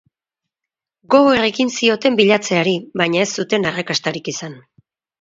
Gogor ekin zioten bilatzeari, baina ez zuten arrakastarik izan.